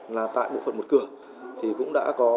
là tại bộ phận một cửa thì cũng đã có